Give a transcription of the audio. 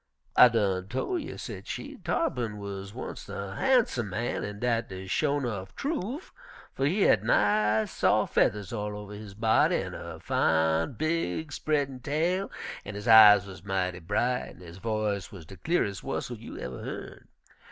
"I done tol' you," said she. "Tarr'pin wuz onct a harnsum man, an' dat de sho' 'nuff trufe, fer he had nice, sof' fedders all over his body an' a fine, big, spreadin' tail, an' his eyes wuz mighty bright an' his voice wuz de cle'res' whustle you uver yearn.